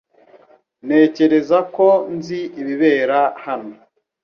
Ntekereza ko nzi ibibera hano .